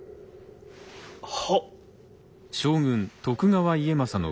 はっ！